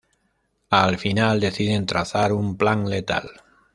Al final deciden trazar un plan letal.